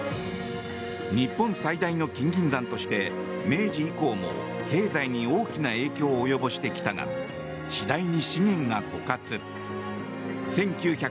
日本最大の金銀山として明治以降も経済に大きな影響を及ぼしてきたが次第に資源が枯渇。